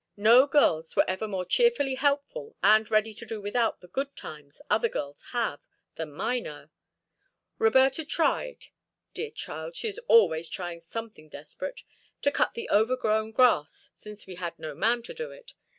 No girls were ever more cheerfully helpful and ready to do without the good times other girls have than mine are. Roberta tried dear child, she is always trying something desperate to cut the overgrown grass, since we had no man to do it.